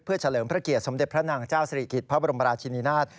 เฉลิมพระเกียรติสมเด็จพระนางเจ้าศรีกิจพระบรมราชินินาศ